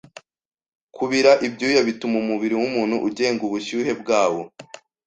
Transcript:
Kubira ibyuya bituma umubiri wumuntu ugenga ubushyuhe bwawo .